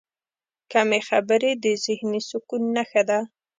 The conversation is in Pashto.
کمې خبرې، د ذهني سکون نښه ده.